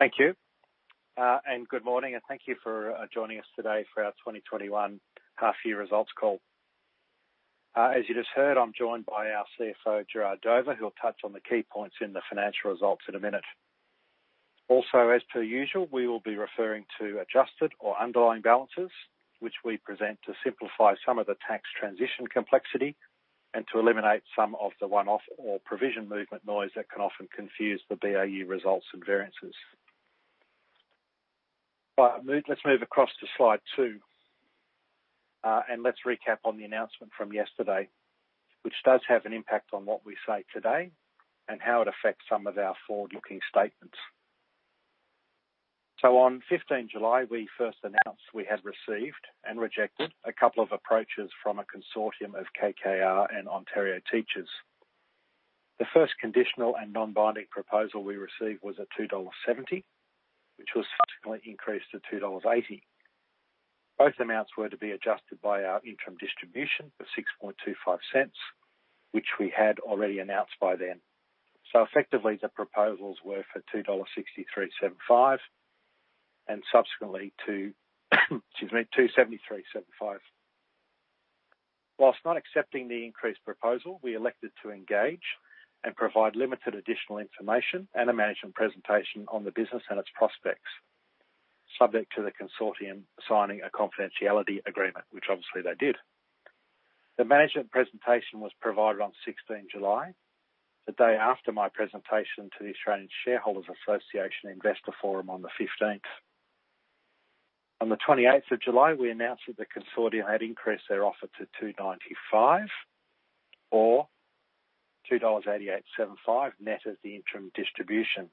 Thank you. Good morning, and thank you for joining us today for our 2021 half-year results call. As you just heard, I'm joined by our CFO, Gerard Dover, who'll touch on the key points in the financial results in a minute. Also, as per usual, we will be referring to adjusted or underlying balances, which we present to simplify some of the tax transition complexity, and to eliminate some of the one-off or provision movement noise that can often confuse the BAU results and variances. Right. Let's move across to slide two, and let's recap on the announcement from yesterday, which does have an impact on what we say today and how it affects some of our forward-looking statements. On 15th July, we first announced we had received and rejected a couple of approaches from a consortium of KKR and Ontario Teachers'. The first conditional and non-binding proposal we received was at 2.70 dollars, which was subsequently increased to 2.80 dollars. Both amounts were to be adjusted by our interim distribution of 0.0625, which we had already announced by then. Effectively, the proposals were for 2.6375 dollars, and subsequently 2.7375. Whilst not accepting the increased proposal, we elected to engage and provide limited additional information and a management presentation on the business and its prospects, subject to the consortium signing a confidentiality agreement, which obviously they did. The management presentation was provided on July 16, the day after my presentation to the Australian Shareholders' Association Investor Forum on the 15th. On July 28, we announced that the consortium had increased their offer to 2.95 or 2.8875 dollars net as the interim distribution.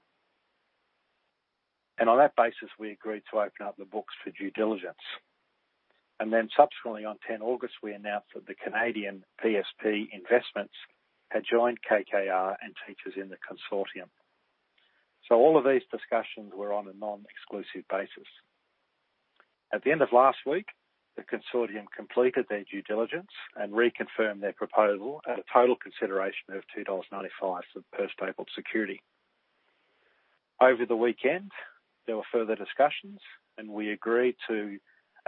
On that basis, we agreed to open up the books for due diligence. Subsequently on 10th August, we announced that the Canadian PSP Investments had joined KKR and Teachers' in the consortium. All of these discussions were on a non-exclusive basis. At the end of last week, the consortium completed their due diligence and reconfirmed their proposal at a total consideration of 2.95 dollars per stapled security. Over the weekend, there were further discussions and we agreed to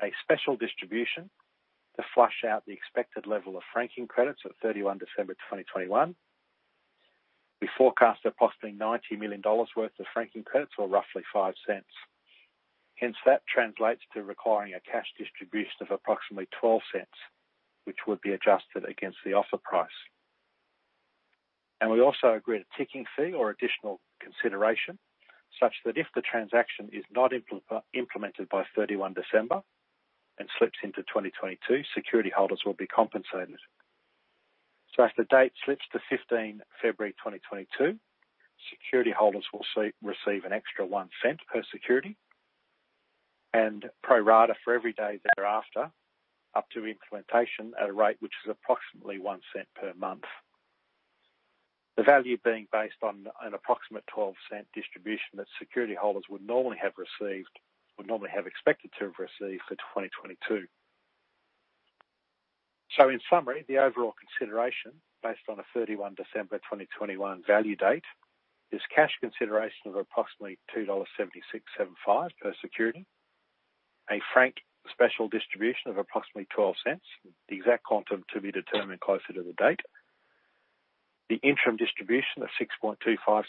a special distribution to flush out the expected level of franking credits at 31 December 2021. We forecast approximately 90 million dollars worth of franking credits or roughly 0.05. That translates to requiring a cash distribution of approximately 0.12, which would be adjusted against the offer price. We also agreed a ticking fee or additional consideration, such that if the transaction is not implemented by 31 December and slips into 2022, security holders will be compensated. If the date slips to 15th February 2022, security holders will receive an extra 0.01 per security and pro rata for every day thereafter up to implementation at a rate which is approximately 0.01 per month. The value being based on an approximate 0.12 distribution that security holders would normally have received or normally have expected to have received for 2022. In summary, the overall consideration based on a 31 December 2021 value date is cash consideration of approximately 2.7675 dollars per security, a franked special distribution of approximately 0.12, the exact quantum to be determined closer to the date, the interim distribution of 0.0625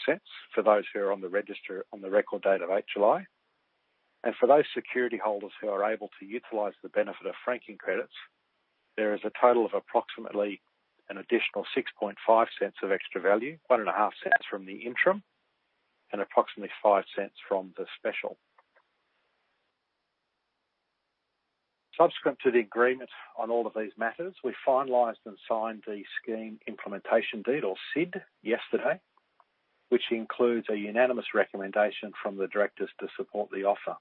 for those who are on the register on the record date of 8 July, and for those security holders who are able to utilize the benefit of franking credits, there is a total of approximately an additional 0.065 of extra value, 0.015 from the interim and approximately 0.05 from the special. Subsequent to the agreement on all of these matters, we finalized and signed the scheme implementation deed or SID yesterday, which includes a unanimous recommendation from the directors to support the offer.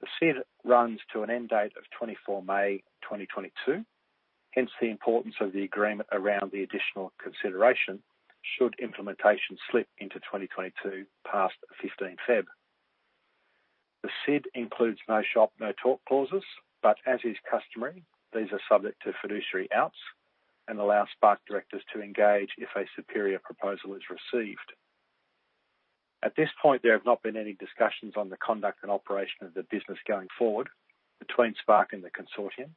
The SID runs to an end date of 24th May 2022, hence the importance of the agreement around the additional consideration should implementation slip into 2022 past 15th Feb. The SID includes no shop, no talk clauses, as is customary, these are subject to fiduciary outs and allow Spark directors to engage if a superior proposal is received. At this point, there have not been any discussions on the conduct and operation of the business going forward between Spark and the consortium,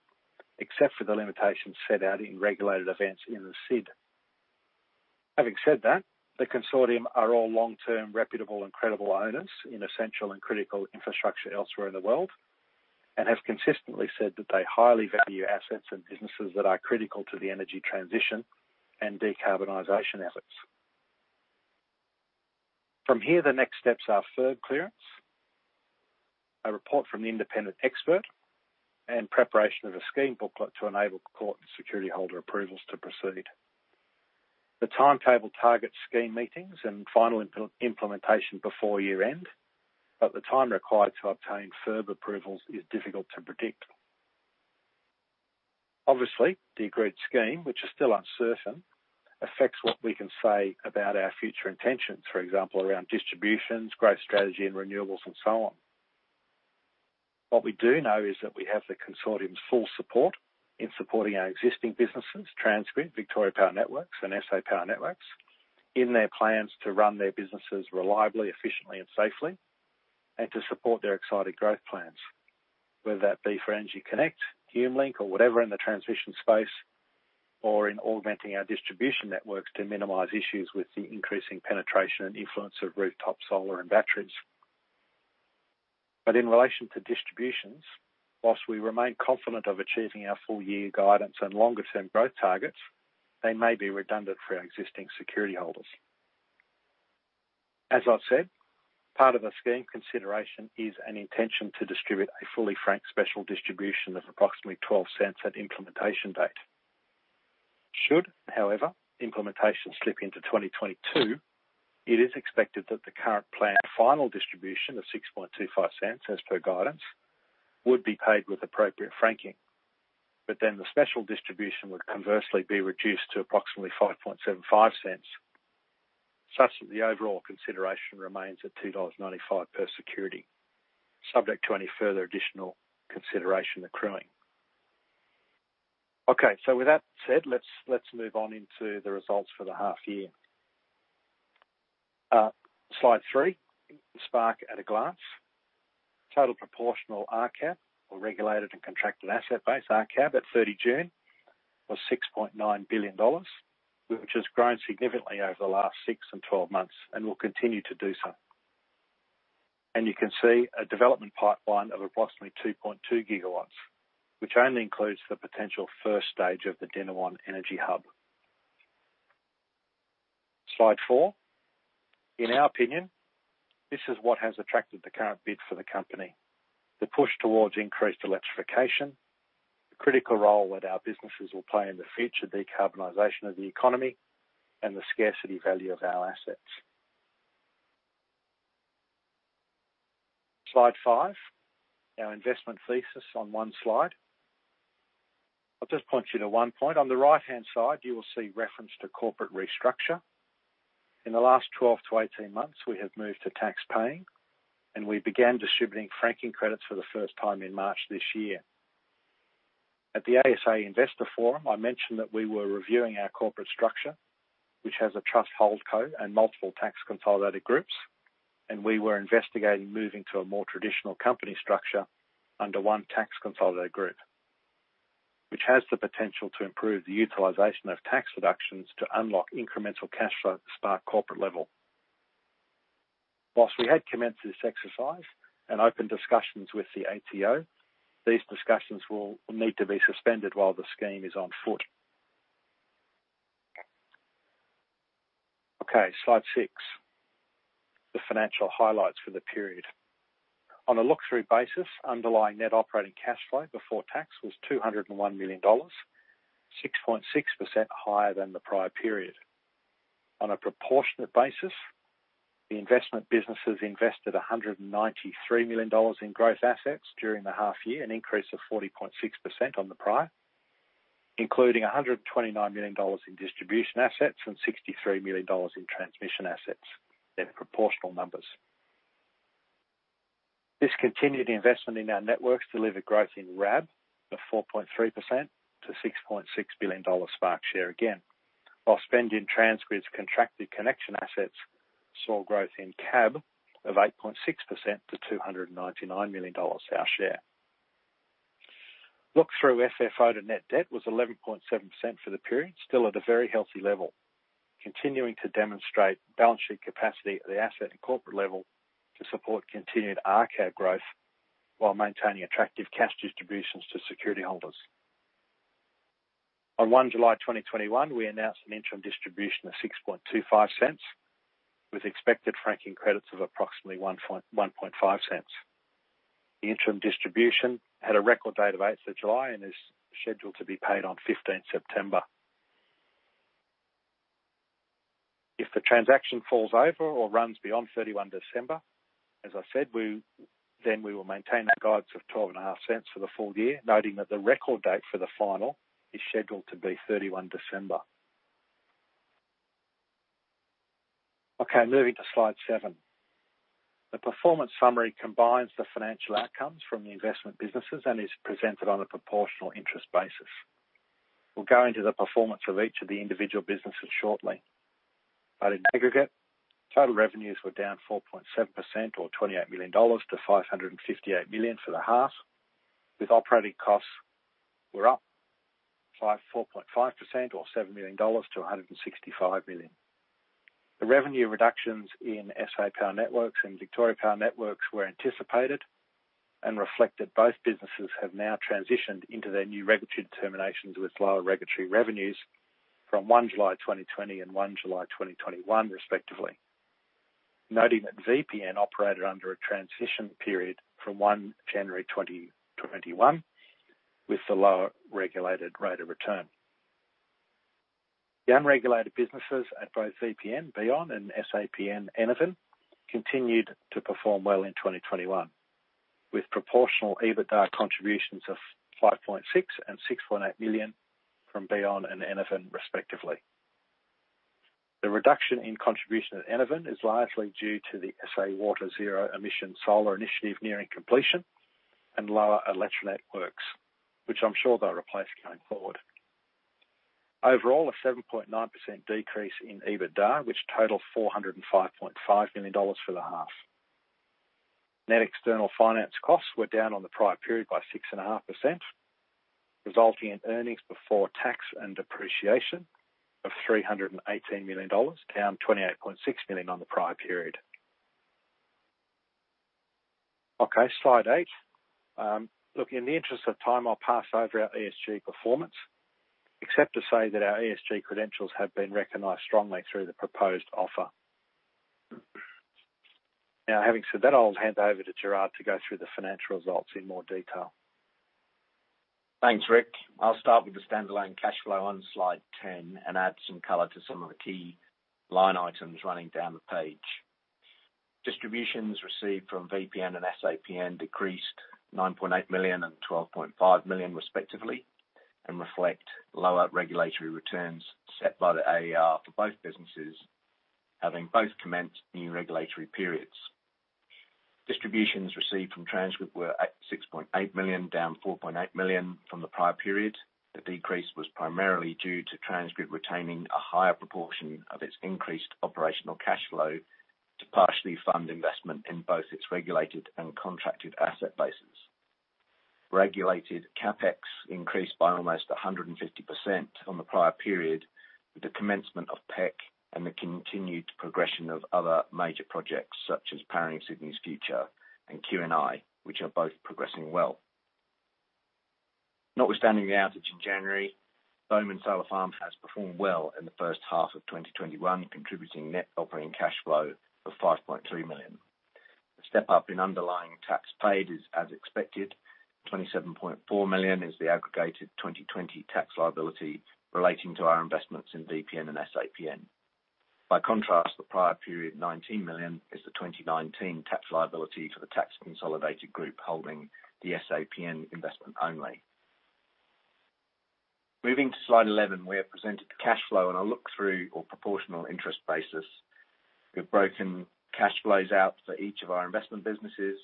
except for the limitations set out in regulated events in the SID. Having said that, the consortium are all long-term reputable and credible owners in essential and critical infrastructure elsewhere in the world, and have consistently said that they highly value assets and businesses that are critical to the energy transition and decarbonization efforts. From here, the next steps are FIRB clearance, a report from the independent expert, and preparation of a scheme booklet to enable court and security holder approvals to proceed. The timetable targets scheme meetings and final implementation before year-end. The time required to obtain FIRB approvals is difficult to predict. Obviously, the agreed scheme, which is still uncertain, affects what we can say about our future intentions, for example, around distributions, growth strategy in renewables and so on. What we do know is that we have the consortium's full support in supporting our existing businesses, TransGrid, Victoria Power Networks, and SA Power Networks, in their plans to run their businesses reliably, efficiently, and safely, and to support their exciting growth plans, whether that be for EnergyConnect, HumeLink, or whatever in the transmission space, or in augmenting our distribution networks to minimize issues with the increasing penetration and influence of rooftop solar and batteries. In relation to distributions, whilst we remain confident of achieving our full year guidance and longer-term growth targets, they may be redundant for our existing security holders. As I've said, part of a scheme consideration is an intention to distribute a fully franked special distribution of approximately 0.12 at implementation date. However, implementation slip into 2022, it is expected that the current planned final distribution of 0.0625 as per guidance would be paid with appropriate franking. Then the special distribution would conversely be reduced to approximately 0.0575, such that the overall consideration remains at 2.95 dollars per security, subject to any further additional consideration accruing. Okay. With that said, let's move on into the results for the half year. Slide three, Spark at a glance. Total proportional RCAB, or regulated and contracted asset base, RCAB, at 30 June was 6.9 billion dollars, which has grown significantly over the last six and 12 months and will continue to do so. You can see a development pipeline of approximately 2.2 GW, which only includes the potential first stage of the Dinawan Energy Hub. Slide four. In our opinion, this is what has attracted the current bid for the company. The push towards increased electrification, the critical role that our businesses will play in the future decarbonization of the economy, and the scarcity value of our assets. Slide five. Our investment thesis on one slide. I'll just point you to one point. On the right-hand side, you will see reference to corporate restructure. In the last 12-18 months, we have moved to tax-paying, and we began distributing franking credits for the first time in March this year. At the ASA Investor Forum, I mentioned that we were reviewing our corporate structure, which has a trust holdco and multiple tax consolidated groups, and we were investigating moving to a more traditional company structure under one tax consolidated group, which has the potential to improve the utilization of tax deductions to unlock incremental cash flow at the Spark corporate level. Whilst we had commenced this exercise and opened discussions with the ATO, these discussions will need to be suspended while the scheme is on foot. Okay, slide six, the financial highlights for the period. On a look-through basis, underlying net operating cash flow before tax was 201 million dollars, 6.6% higher than the prior period. On a proportionate basis, the investment businesses invested 193 million dollars in growth assets during the half year, an increase of 40.6% on the prior, including 129 million dollars in distribution assets and 63 million dollars in transmission assets. They're proportional numbers. This continued investment in our networks delivered growth in RAB of 4.3% to 6.6 billion dollar Spark share again. Our spend in TransGrid's contracted connection assets saw growth in CAB of 8.6% to 299 million dollars our share. Look-through FFO to net debt was 11.7% for the period, still at a very healthy level, continuing to demonstrate balance sheet capacity at the asset and corporate level to support continued RCAB growth while maintaining attractive cash distributions to security holders. On 1 July 2021, we announced an interim distribution of 0.0625 with expected franking credits of approximately 0.015. The interim distribution had a record date of 8th of July and is scheduled to be paid on 15 September. If the transaction falls over or runs beyond 31 December, as I said, we will maintain our guides of 0.125 for the full year, noting that the record date for the final is scheduled to be 31 December. Moving to slide seven. The performance summary combines the financial outcomes from the investment businesses and is presented on a proportional interest basis. We'll go into the performance of each of the individual businesses shortly. In aggregate, total revenues were down 4.7% or 28 million dollars to 558 million for the half, with operating costs were up by 4.5% or 7 million dollars to 165 million. The revenue reductions in SA Power Networks and Victoria Power Networks were anticipated and reflected. Both businesses have now transitioned into their new regulatory determinations with lower regulatory revenues from 1 July 2020 and 1 July 2021, respectively. Noting that VPN operated under a transition period from 1 January 2021 with the lower regulated rate of return. The unregulated businesses at both VPN, Beon and SAPN, Enerven, continued to perform well in 2021, with proportional EBITDA contributions of 5.6 million and 6.8 million from Beon and Enerven, respectively. The reduction in contribution at Enerven is largely due to the SA Water zero emission solar initiative nearing completion and lower ElectraNet, which I'm sure they'll replace going forward. Overall, a 7.9% decrease in EBITDA, which totaled 405.5 million dollars for the half. Net external finance costs were down on the prior period by 6.5%, resulting in earnings before tax and depreciation of 318 million dollars, down 28.6 million on the prior period. Okay, slide eight. In the interest of time, I'll pass over our ESG performance, except to say that our ESG credentials have been recognized strongly through the proposed offer. Having said that, I'll hand over to Gerard to go through the financial results in more detail. Thanks, Rick. I'll start with the standalone cash flow on slide 10 and add some color to some of the key line items running down the page. Distributions received from VPN and SAPN decreased 9.8 million and 12.5 million respectively, and reflect lower regulatory returns set by the AER for both businesses, having both commenced new regulatory periods. Distributions received from TransGrid were at 6.8 million, down 4.8 million from the prior period. The decrease was primarily due to TransGrid retaining a higher proportion of its increased operational cash flow to partially fund investment in both its regulated and contracted asset bases. Regulated CapEx increased by almost 150% on the prior period with the commencement of PEC and the continued progression of other major projects such as Powering Sydney's Future and QNI, which are both progressing well. Notwithstanding the outage in January, Bomen Solar Farm has performed well in the first half of 2021, contributing net operating cash flow of 5.3 million. The step-up in underlying tax paid is as expected. 27.4 million is the aggregated 2020 tax liability relating to our investments in VPN and SAPN. By contrast, the prior period, 19 million, is the 2019 tax liability for the tax consolidated group holding the SAPN investment only. Moving to slide 11, we have presented the cash flow on a look-through or proportional interest basis. We've broken cash flows out for each of our investment businesses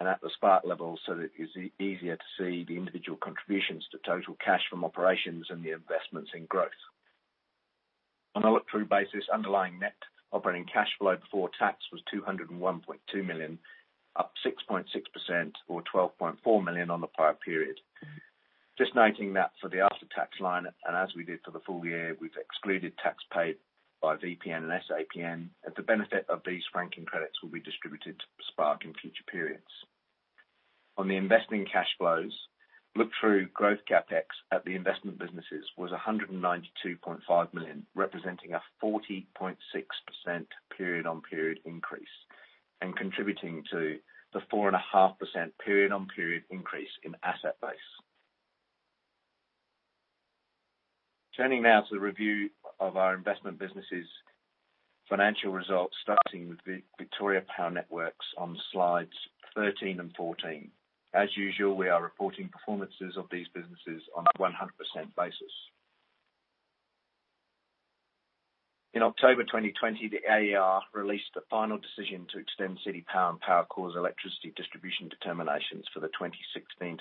and at the Spark level so that it is easier to see the individual contributions to total cash from operations and the investments in growth. On a look-through basis, underlying net operating cash flow before tax was 201.2 million, up 6.6% or 12.4 million on the prior period. Noting that for the after-tax line, and as we did for the full year, we've excluded tax paid by VPN and SAPN, as the benefit of these ranking credits will be distributed to Spark in future periods. On the investing cash flows, look-through growth CapEx at the investment businesses was 192.5 million, representing a 40.6% period-on-period increase, and contributing to the 4.5% period-on-period increase in asset base. Now to the review of our investment businesses' financial results, starting with Victoria Power Networks on slides 13 and 14. As usual, we are reporting performances of these businesses on a 100% basis. In October 2020, the AER released the final decision to extend CitiPower and Powercor's electricity distribution determinations for the 2016-2020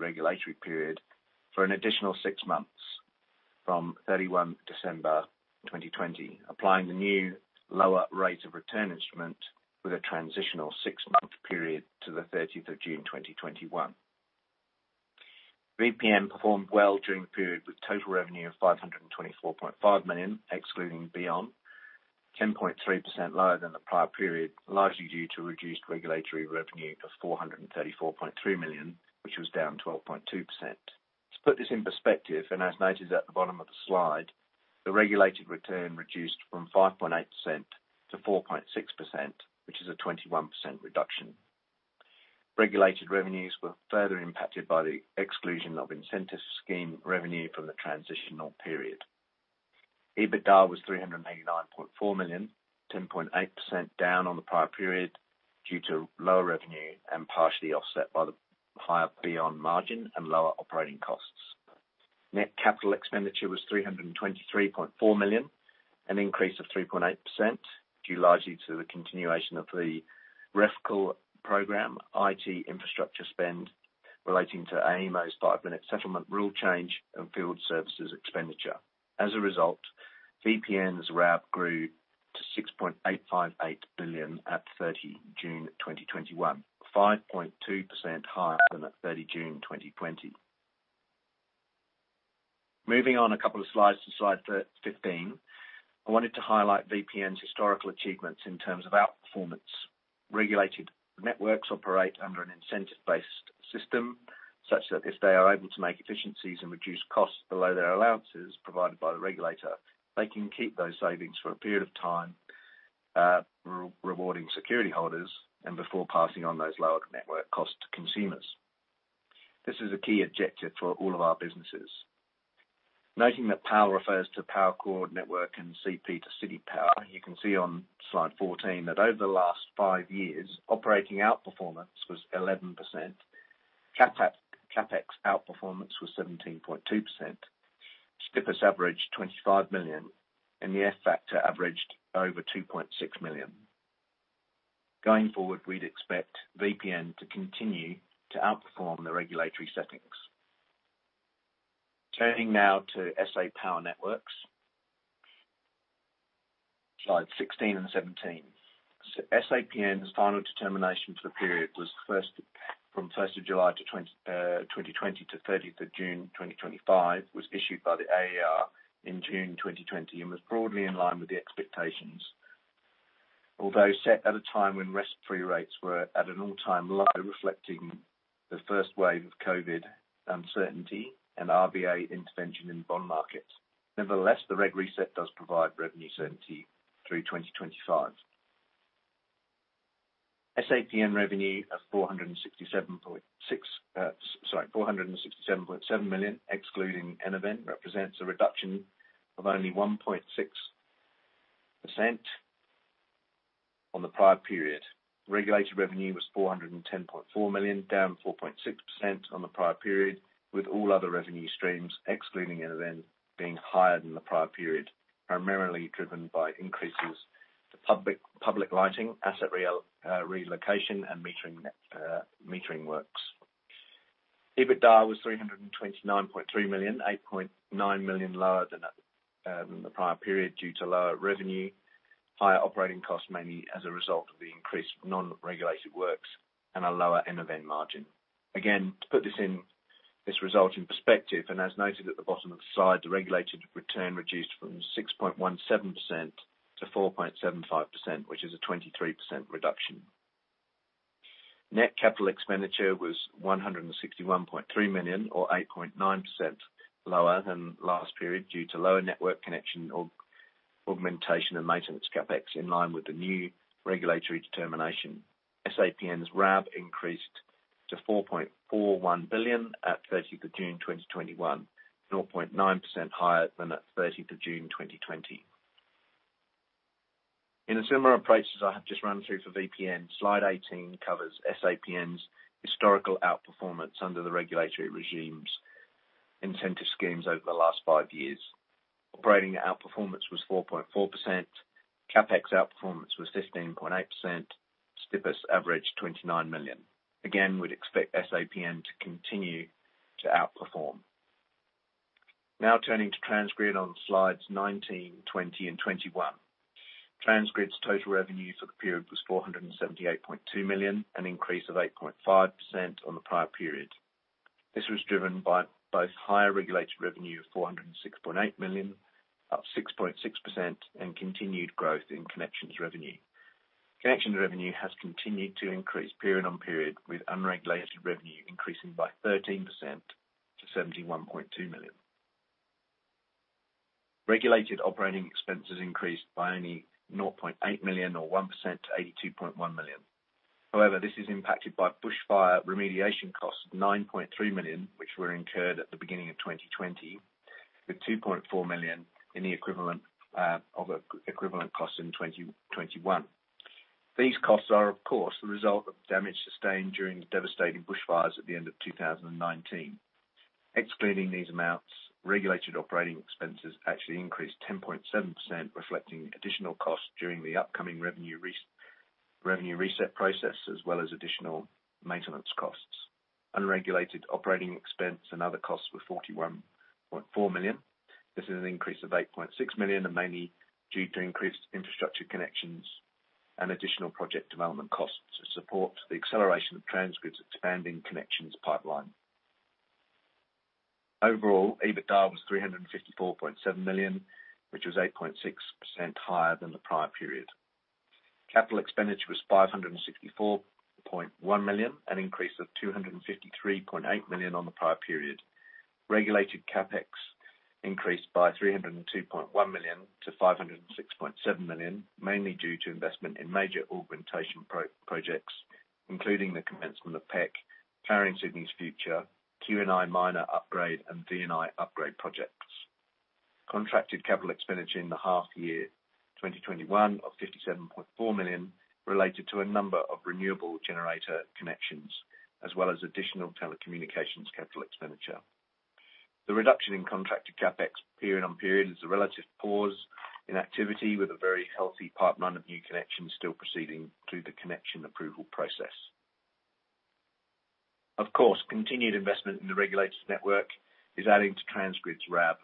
regulatory period for an additional six months, from 31 December 2020, applying the new lower rate of return instrument with a transitional six-month period to the 30th of June 2021. VPN performed well during the period, with total revenue of 524.5 million, excluding Beon, 10.3% lower than the prior period, largely due to reduced regulatory revenue of 434.3 million, which was down 12.2%. To put this in perspective, and as noted at the bottom of the slide, the regulated return reduced from 5.8%-4.6%, which is a 21% reduction. Regulated revenues were further impacted by the exclusion of incentive scheme revenue from the transitional period. EBITDA was 389.4 million, 10.8% down on the prior period due to lower revenue and partially offset by the higher Beon margin and lower operating costs. Net capital expenditure was 323.4 million, an increase of 3.8%, due largely to the continuation of the REFCL program, IT infrastructure spend relating to AEMO's five-minute settlement rule change, and field services expenditure. As a result, VPN's RAB grew to 6.858 billion at 30 June 2021, 5.2% higher than at 30 June 2020. Moving on a couple of slides to slide 15, I wanted to highlight VPN's historical achievements in terms of outperformance. Regulated networks operate under an incentive-based system, such that if they are able to make efficiencies and reduce costs below their allowances provided by the regulator, they can keep those savings for a period of time, rewarding security holders and before passing on those lower network costs to consumers. This is a key objective for all of our businesses. Noting that Power refers to Powercor Network and CP to CitiPower. You can see on slide 14 that over the last five years, operating outperformance was 11%, CapEx outperformance was 17.2%, STPIS averaged 25 million, and the F-factor averaged over 2.6 million. Going forward, we'd expect VPN to continue to outperform the regulatory settings. Turning now to SA Power Networks. Slide 16 and 17. SAPN's final determination for the period from 1st of July 2020 to 30th June 2025 was issued by the AER in June 2020 and was broadly in line with the expectations. Although set at a time when risk-free rates were at an all-time low, reflecting the first wave of COVID uncertainty and RBA intervention in bond markets. Nevertheless, the reg reset does provide revenue certainty through 2025. SAPN revenue of 467.7 million, excluding Enerven, represents a reduction of only 1.6% on the prior period. Regulated revenue was 410.4 million, down 4.6% on the prior period, with all other revenue streams, excluding Enerven, being higher than the prior period, primarily driven by increases to public lighting, asset relocation, and metering works. EBITDA was 329.3 million, 8.9 million lower than the prior period due to lower revenue, higher operating costs, mainly as a result of the increased non-regulated works, and a lower Enerven margin. Again, to put this result in perspective, and as noted at the bottom of the slide, the regulated return reduced from 6.17% to 4.75%, which is a 23% reduction. Net capital expenditure was 161.3 million, or 8.9% lower than last period due to lower network connection, augmentation, and maintenance CapEx in line with the new regulatory determination. SAPN's RAB increased to 4.41 billion at 30th June 2021, 0.9% higher than at 30th of June 2020. In a similar approach as I have just run through for VPN, slide 18 covers SAPN's historical outperformance under the regulatory regimes incentive schemes over the last five years. Operating outperformance was 4.4%, CapEx outperformance was 15.8%, STPIS averaged 29 million. Again, we'd expect SAPN to continue to outperform. Turning to TransGrid on slides 19, 20, and 21. TransGrid's total revenue for the period was 478.2 million, an increase of 8.5% on the prior period. This was driven by both higher regulated revenue of 406.8 million, up 6.6%, and continued growth in connections revenue. Connections revenue has continued to increase period on period, with unregulated revenue increasing by 13% to 71.2 million. Regulated operating expenses increased by only 0.8 million, or 1%, to 82.1 million. This is impacted by bush fire remediation costs of 9.3 million, which were incurred at the beginning of 2020, with 2.4 million in the equivalent cost in 2021. These costs are, of course, the result of damage sustained during devastating bushfires at the end of 2019. Excluding these amounts, regulated operating expenses actually increased 10.7%, reflecting additional costs during the upcoming revenue reset process, as well as additional maintenance costs. Unregulated operating expense and other costs were 41.4 million. This is an increase of 8.6 million, mainly due to increased infrastructure connections and additional project development costs to support the acceleration of TransGrid's expanding connections pipeline. Overall, EBITDA was 354.7 million, which was 8.6% higher than the prior period. Capital expenditure was 564.1 million, an increase of 253.8 million on the prior period. Regulated CapEx increased by 302.1 million to 506.7 million, mainly due to investment in major augmentation projects, including the commencement of PEC, Powering Sydney's Future, QNI minor upgrade, and VNI upgrade projects. Contracted capital expenditure in the half year 2021 of 57.4 million related to a number of renewable generator connections, as well as additional telecommunications capital expenditure. The reduction in contracted CapEx period on period is a relative pause in activity, with a very healthy pipeline of new connections still proceeding through the connection approval process. Continued investment in the regulated network is adding to TransGrid's RAB,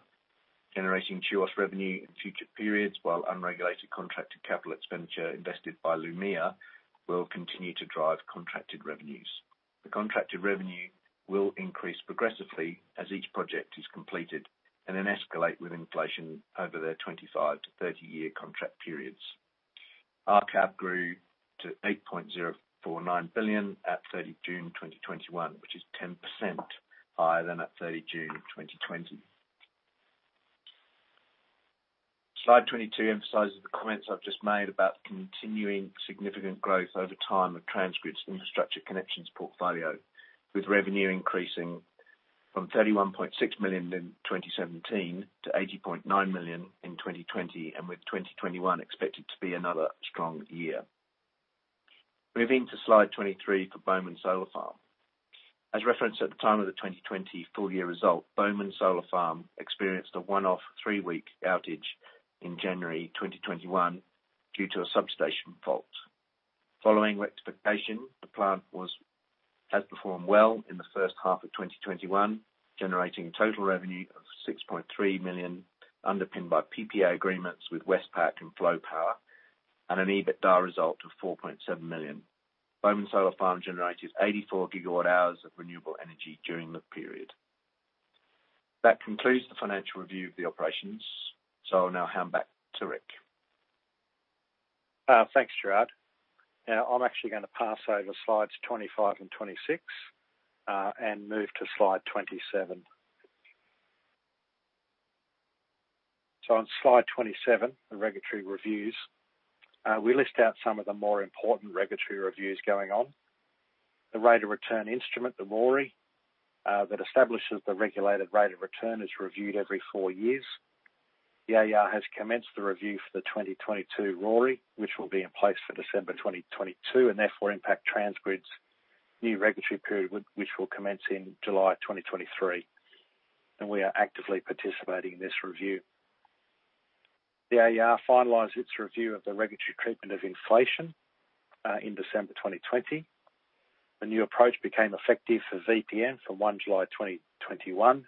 generating TUOS revenue in future periods, while unregulated contracted capital expenditure invested by Lumea will continue to drive contracted revenues. The contracted revenue will increase progressively as each project is completed and then escalate with inflation over their 25-30 year contract periods. Our RAB grew to 8.049 billion at 30 June 2021, which is 10% higher than at 30 June 2020. Slide 22 emphasizes the comments I've just made about the continuing significant growth over time of TransGrid's infrastructure connections portfolio, with revenue increasing from 31.6 million in 2017 to 80.9 million in 2020, and with 2021 expected to be another strong year. Moving to slide 23 for Bomen Solar Farm. As referenced at the time of the 2020 full-year result, Bomen Solar Farm experienced a one-off three-week outage in January 2021 due to a substation fault. Following rectification, the plant has performed well in the first half of 2021, generating total revenue of 6.3 million, underpinned by PPA agreements with Westpac and Flow Power, and an EBITDA result of 4.7 million. Bomen Solar Farm generated 84 GWh of renewable energy during the period. That concludes the financial review of the operations. I'll now hand back to Rick. Thanks, Gerard. I'm actually going to pass over slides 25 and 26, move to slide 27. On slide 27, the regulatory reviews. We list out some of the more important regulatory reviews going on. The rate of return instrument, the RORI, that establishes the regulated rate of return, is reviewed every four years. The AER has commenced the review for the 2022 RORI, which will be in place for December 2022, therefore impact TransGrid's new regulatory period, which will commence in July 2023. We are actively participating in this review. The AER finalized its review of the regulatory treatment of inflation in December 2020. The new approach became effective for VPN from 1 July 2021,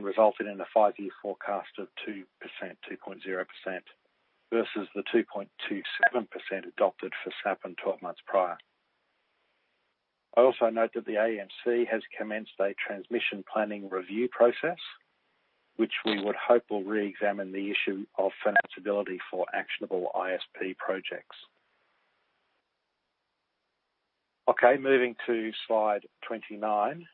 resulted in a five-year forecast of 2%, 2.0%, versus the 2.27% adopted for SAPN 12 months prior. I also note that the AEMC has commenced a transmission planning review process, which we would hope will reexamine the issue of financability for actionable ISP projects. Okay, moving to slide 29.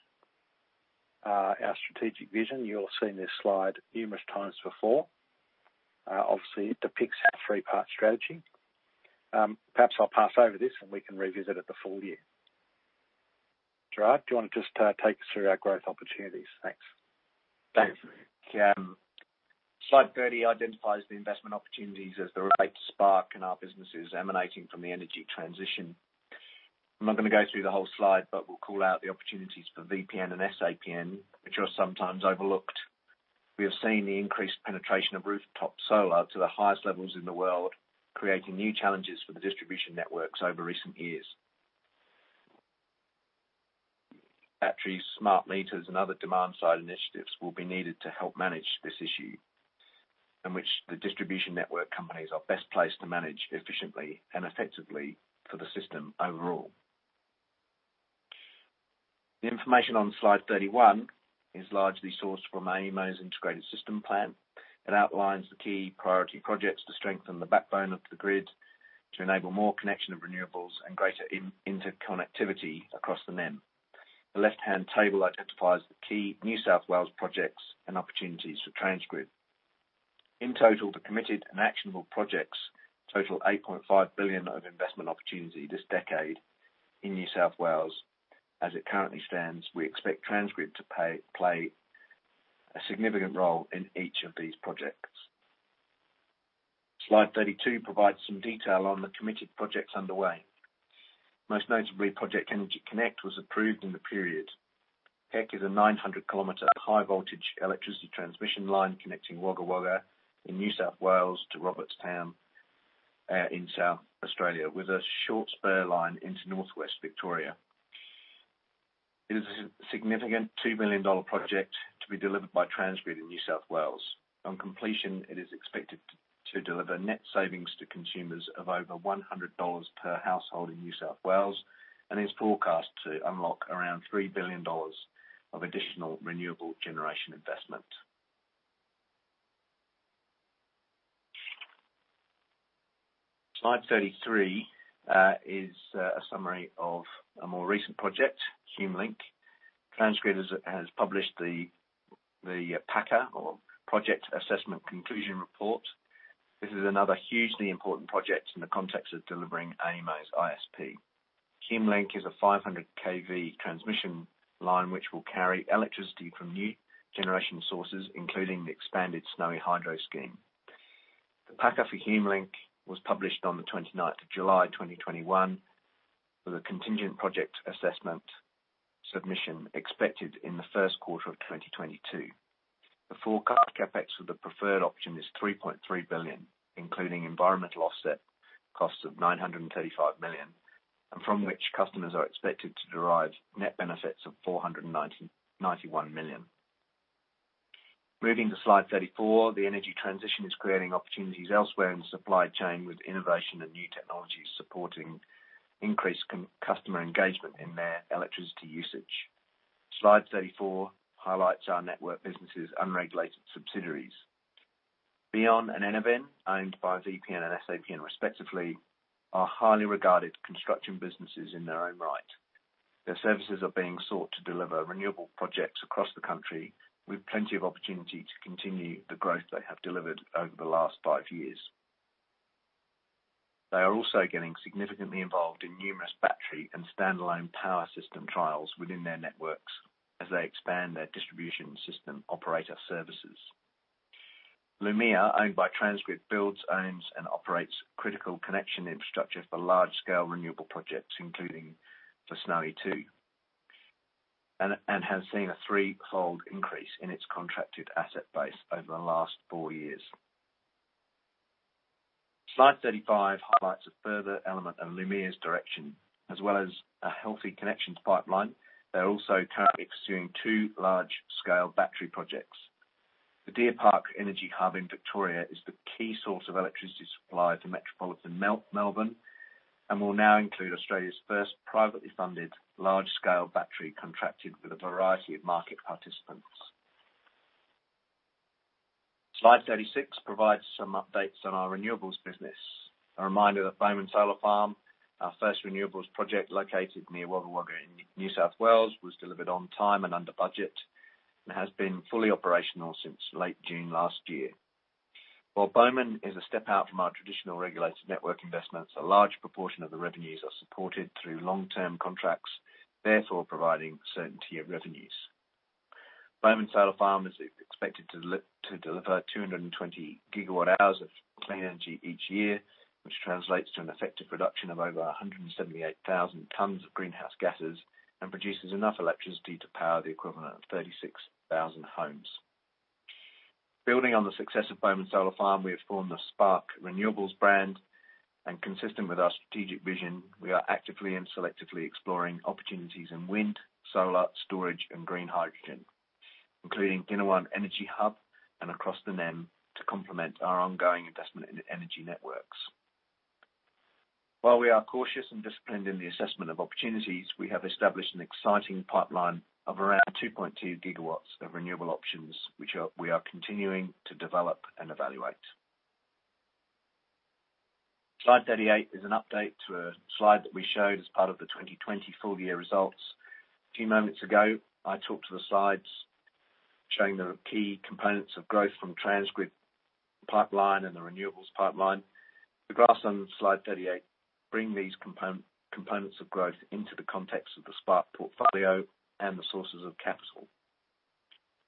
Our strategic vision. You all have seen this slide numerous times before. Obviously, it depicts our three-part strategy. Perhaps I'll pass over this, and we can revisit at the full year. Gerard, do you want to just take us through our growth opportunities? Thanks. Thanks, Rick. Slide 30 identifies the investment opportunities as the rate Spark in our businesses emanating from the energy transition. I'm not going to go through the whole slide, but we'll call out the opportunities for VPN and SAPN, which are sometimes overlooked. We have seen the increased penetration of rooftop solar to the highest levels in the world, creating new challenges for the distribution networks over recent years. Batteries, smart meters, and other demand-side initiatives will be needed to help manage this issue, in which the distribution network companies are best placed to manage efficiently and effectively for the system overall. The information on slide 31 is largely sourced from AEMO's Integrated System Plan. It outlines the key priority projects to strengthen the backbone of the grid to enable more connection of renewables and greater interconnectivity across the NEM. The left-hand table identifies the key New South Wales projects and opportunities for TransGrid. In total, the committed and actionable projects total 8.5 billion of investment opportunity this decade in New South Wales. As it currently stands, we expect TransGrid to play a significant role in each of these projects. Slide 32 provides some detail on the committed projects underway. Most notably, Project EnergyConnect was approved in the period. PEC is a 900 km high-voltage electricity transmission line connecting Wagga Wagga in New South Wales to Robertstown in South Australia, with a short spur line into northwest Victoria. It is a significant 2 billion dollar project to be delivered by TransGrid in New South Wales. On completion, it is expected to deliver net savings to consumers of over 100 dollars per household in New South Wales and is forecast to unlock around 3 billion dollars of additional renewable generation investment. Slide 33 is a summary of a more recent project, HumeLink. TransGrid has published the PACR, or Project Assessment Conclusion Report. This is another hugely important project in the context of delivering AEMO's ISP. HumeLink is a 500 kV transmission line which will carry electricity from new generation sources, including the expanded Snowy Hydro scheme. The PACR for HumeLink was published on the 29th of July 2021, with a contingent project assessment submission expected in the first quarter of 2022. The forecast CapEx for the preferred option is 3.3 billion, including environmental offset costs of 935 million, and from which customers are expected to derive net benefits of 491 million. Moving to slide 34, the energy transition is creating opportunities elsewhere in the supply chain, with innovation and new technologies supporting increased customer engagement in their electricity usage. Slide 34 highlights our network businesses' unregulated subsidiaries. Beon and Enerven, owned by VPN and SAPN respectively, are highly regarded construction businesses in their own right. Their services are being sought to deliver renewable projects across the country with plenty of opportunity to continue the growth they have delivered over the last five years. They are also getting significantly involved in numerous battery and standalone power system trials within their networks as they expand their distribution system operator services. Lumea, owned by TransGrid, builds, owns, and operates critical connection infrastructure for large-scale renewable projects, including for Snowy 2.0, and has seen a threefold increase in its contracted asset base over the last four years. Slide 35 highlights a further element of Lumea's direction, as well as a healthy connections pipeline. They are also currently pursuing two large-scale battery projects. The Deer Park Energy Hub in Victoria is the key source of electricity supply to metropolitan Melbourne and will now include Australia's first privately funded large-scale battery contracted with a variety of market participants. Slide 36 provides some updates on our renewables business. A reminder that Bomen Solar Farm, our first renewables project located near Wagga Wagga in New South Wales, was delivered on time and under budget and has been fully operational since late June last year. While Bomen is a step out from our traditional regulated network investments, a large proportion of the revenues are supported through long-term contracts, therefore providing certainty of revenues. Bomen Solar Farm is expected to deliver 220 GWh of clean energy each year, which translates to an effective reduction of over 178,000 tons of greenhouse gases and produces enough electricity to power the equivalent of 36,000 homes. Building on the success of Bomen Solar Farm, we have formed the Spark Renewables brand, and consistent with our strategic vision, we are actively and selectively exploring opportunities in wind, solar, storage, and green hydrogen, including Dinawan Energy Hub and across the NEM to complement our ongoing investment in energy networks. While we are cautious and disciplined in the assessment of opportunities, we have established an exciting pipeline of around 2.2 GW of renewable options, which we are continuing to develop and evaluate. Slide 38 is an update to a slide that we showed as part of the 2020 full-year results. A few moments ago, I talked to the slides showing the key components of growth from TransGrid pipeline and the renewables pipeline. The graphs on slide 38 bring these components of growth into the context of the Spark portfolio and the sources of capital.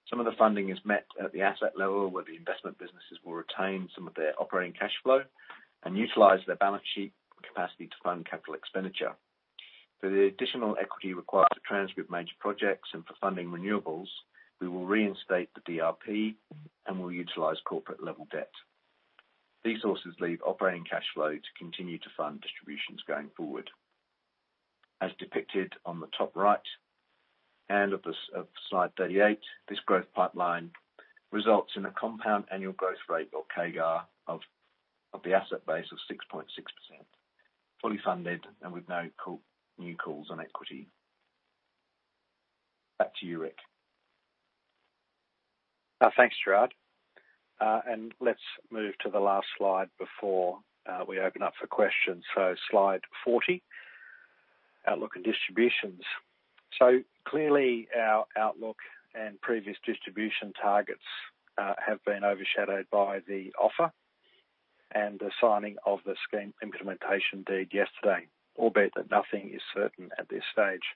Some of the funding is met at the asset level, where the investment businesses will retain some of their operating cash flow and utilize their balance sheet capacity to fund capital expenditure. For the additional equity required for TransGrid major projects and for funding renewables, we will reinstate the DRP and will utilize corporate-level debt. These sources leave operating cash flow to continue to fund distributions going forward. As depicted on the top right-hand of slide 38, this growth pipeline results in a compound annual growth rate, or CAGR, of the asset base of 6.6%, fully funded and with no new calls on equity. Back to you, Rick. Thanks, Gerard. Let's move to the last slide before we open up for questions. Slide 40, outlook and distributions. Clearly, our outlook and previous distribution targets have been overshadowed by the offer and the signing of the scheme implementation deed yesterday, albeit that nothing is certain at this stage.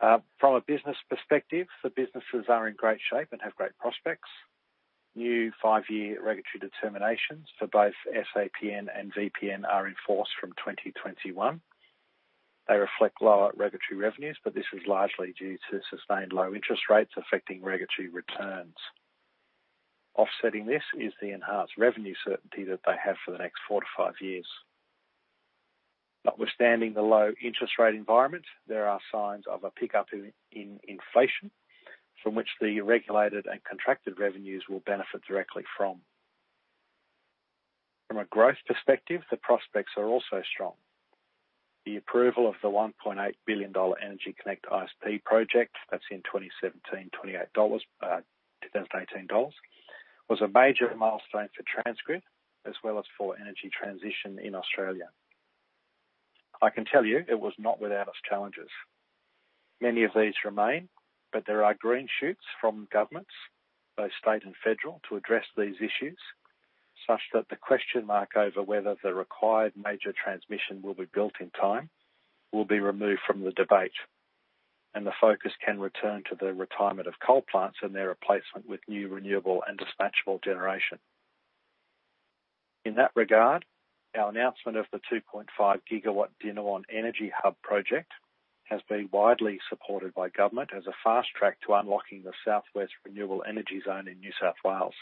From a business perspective, the businesses are in great shape and have great prospects. New five-year regulatory determinations for both SAPN and VPN are in force from 2021. They reflect lower regulatory revenues, but this is largely due to sustained low interest rates affecting regulatory returns. Offsetting this is the enhanced revenue certainty that they have for the next four to five years. Notwithstanding the low interest rate environment, there are signs of a pickup in inflation, from which the regulated and contracted revenues will benefit directly from. From a growth perspective, the prospects are also strong. The approval of the 1.8 billion dollar EnergyConnect ISP project, that's in 2017-18 dollars, was a major milestone for TransGrid as well as for energy transition in Australia. I can tell you it was not without its challenges. Many of these remain. There are green shoots from governments, both state and federal, to address these issues, such that the question mark over whether the required major transmission will be built in time will be removed from the debate, and the focus can return to the retirement of coal plants and their replacement with new renewable and dispatchable generation. In that regard, our announcement of the 2.5 GW Dinawan Energy Hub project has been widely supported by government as a fast track to unlocking the South West Renewable Energy Zone in New South Wales.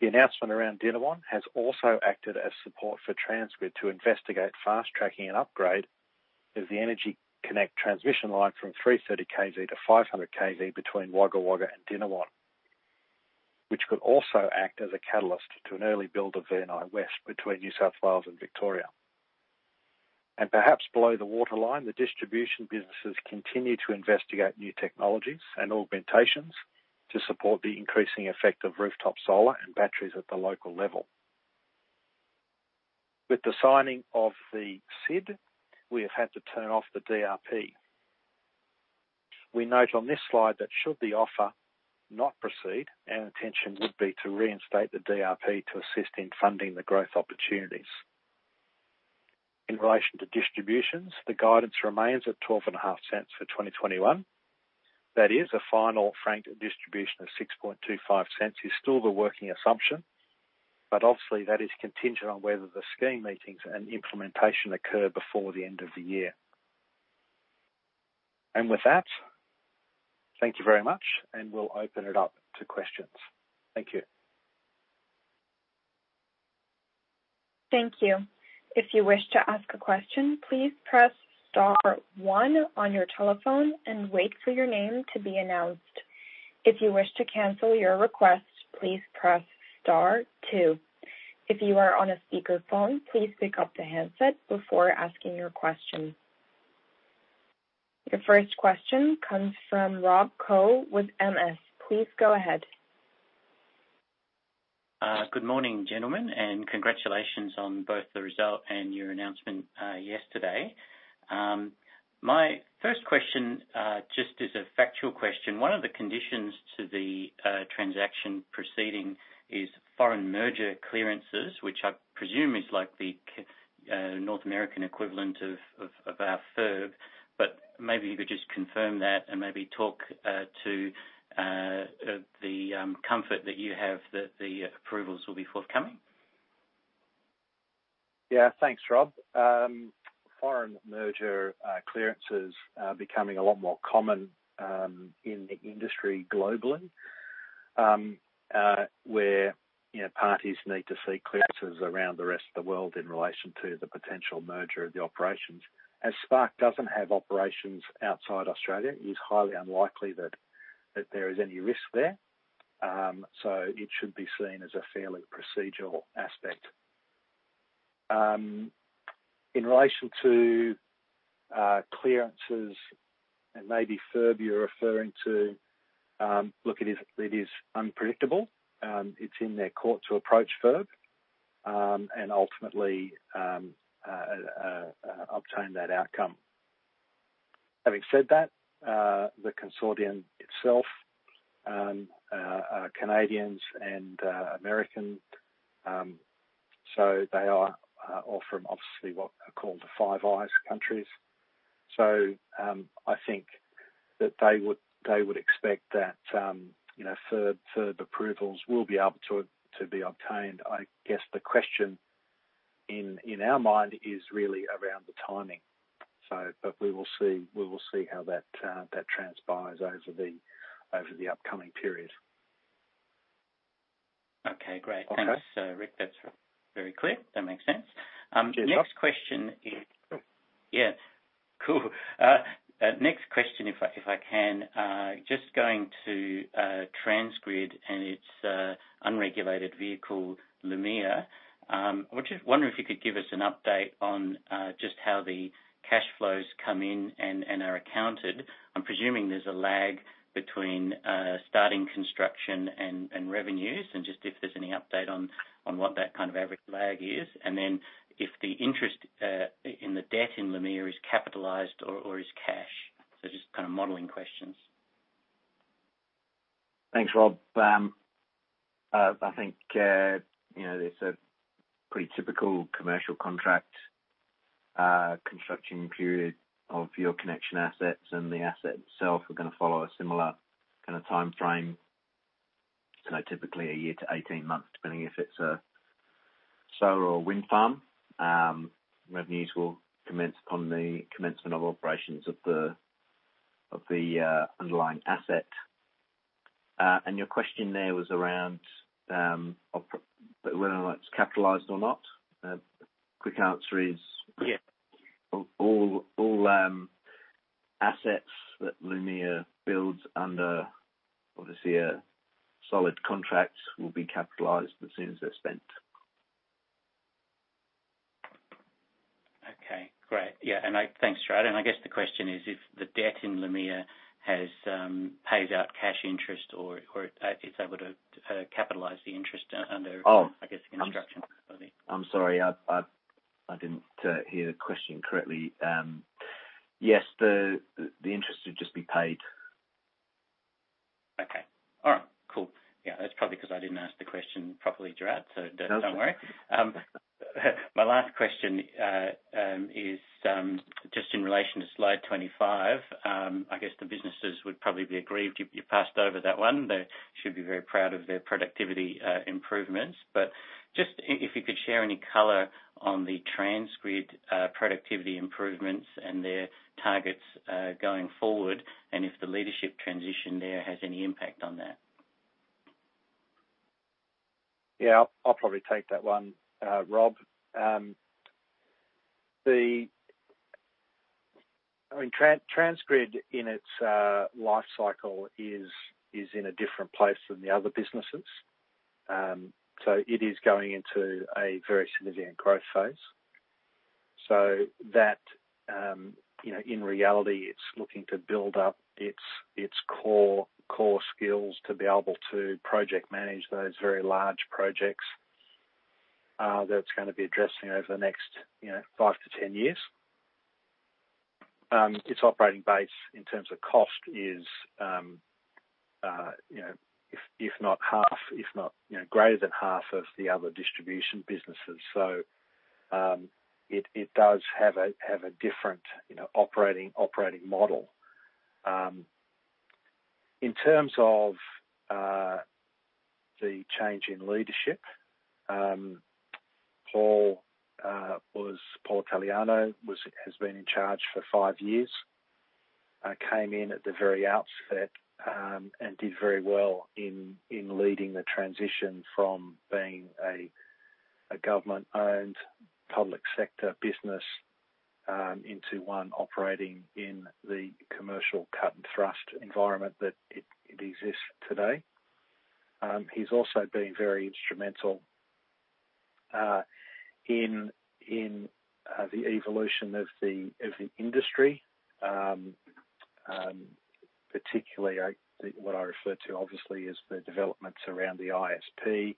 The announcement around Dinawan has also acted as support for TransGrid to investigate fast-tracking an upgrade of the EnergyConnect transmission line from 330 kV to 500 kV between Wagga Wagga and Dinawan, which could also act as a catalyst to an early build of VNI West between New South Wales and Victoria. Perhaps below the waterline, the distribution businesses continue to investigate new technologies and augmentations to support the increasing effect of rooftop solar and batteries at the local level. With the signing of the SID, we have had to turn off the DRP. We note on this slide that should the offer not proceed, our intention would be to reinstate the DRP to assist in funding the growth opportunities. In relation to distributions, the guidance remains at 0.125 for 2021. That is, a final franked distribution of 0.0625 is still the working assumption. Obviously that is contingent on whether the scheme meetings and implementation occur before the end of the year. With that, thank you very much, and we'll open it up to questions. Thank you. Your first question comes from Rob Koh with MS. Please go ahead. Good morning, gentlemen, and congratulations on both the result and your announcement yesterday. My first question just is a factual question. One of the conditions to the transaction proceeding is foreign merger clearances, which I presume is like the North American equivalent of our FIRB. Maybe you could just confirm that and maybe talk to the comfort that you have that the approvals will be forthcoming. Yeah. Thanks, Rob. Foreign merger clearance is becoming a lot more common in the industry globally, where parties need to seek clearances around the rest of the world in relation to the potential merger of the operations. As Spark doesn't have operations outside Australia, it is highly unlikely that there is any risk there. It should be seen as a fairly procedural aspect. In relation to clearances and maybe FIRB you're referring to, look, it is unpredictable. It's in their court to approach FIRB, and ultimately, obtain that outcome. Having said that, the consortium itself, Canadians and Americans, they are all from obviously what are called the Five Eyes countries. I think that they would expect that FIRB approvals will be able to be obtained. I guess the question in our mind is really around the timing. We will see how that transpires over the upcoming period. Okay, great. Okay. Thanks, Rick. That's very clear. That makes sense. Cheers, Rob. Next question is Yeah, cool. Next question, if I can, just going to TransGrid and its unregulated vehicle, Lumea. I was just wondering if you could give us an update on just how the cash flows come in and are accounted. I'm presuming there's a lag between starting construction and revenues, and just if there's any update on what that average lag is. If the interest in the debt in Lumea is capitalized or is cash. Just modeling questions. Thanks, Rob. I think there's a pretty typical commercial contract construction period of your connection assets and the asset itself are going to follow a similar timeframe. Typically a year to 18 months, depending if it's a solar or wind farm. Revenues will commence upon the commencement of operations of the underlying asset. Your question there was around whether or not it's capitalized or not. Quick answer is. Yeah All assets that Lumea builds under, obviously, a solid contract will be capitalized as soon as they're spent. Okay, great. Yeah, thanks, Gerard. I guess the question is if the debt in Lumea pays out cash interest or it's able to capitalize the interest. Oh I guess the construction. Sorry. I'm sorry. I didn't hear the question correctly. Yes, the interest would just be paid. Okay. All right, cool. Yeah, that's probably 'cause I didn't ask the question properly, Gerard. Don't worry. No. My last question is just in relation to slide 25. I guess the businesses would probably be aggrieved you passed over that one, though should be very proud of their productivity improvements. Just if you could share any color on the TransGrid productivity improvements and their targets going forward, and if the leadership transition there has any impact on that. Yeah, I'll probably take that one, Rob. TransGrid in its life cycle is in a different place than the other businesses. It is going into a very significant growth phase. That, in reality, it's looking to build up its core skills to be able to project manage those very large projects that it's going to be addressing over the next 5-10 years. Its operating base in terms of cost is, if not greater than half of the other distribution businesses. It does have a different operating model. In terms of the change in leadership, Paul Italiano has been in charge for five years. Came in at the very outset, and did very well in leading the transition from being a government-owned public sector business into one operating in the commercial cut and thrust environment that it exists today. He's also been very instrumental in the evolution of the industry. Particularly, what I refer to, obviously, is the developments around the ISP,